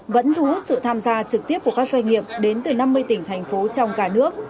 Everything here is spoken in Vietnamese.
vẫn thu hút sự tham gia trực tiếp của các doanh nghiệp đến từ năm mươi tỉnh thành phố trong cả nước